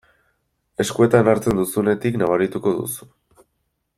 Eskuetan hartzen duzunetik nabarituko duzu.